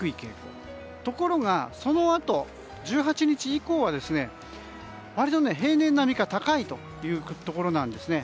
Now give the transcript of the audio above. ところが、そのあと１８日以降は割と平年並みか高いということなんですね。